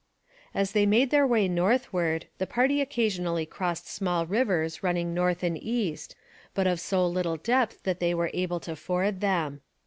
As they made their way northward, the party occasionally crossed small rivers running north and east, but of so little depth that they were able to ford them.